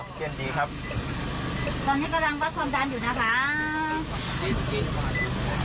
โอเคเดี๋ยวประเมินเพิ่มเติมที่คืน้องพัมธ์ก็โอเค